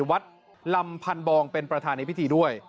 วัดลำพันบองเป็นประธานในพิธีด้วย